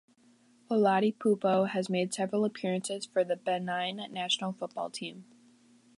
Oladipupo has made several appearances for the Benin national football team.